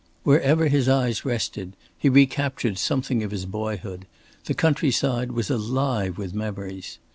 Wherever his eyes rested, he recaptured something of his boyhood; the country side was alive with memories.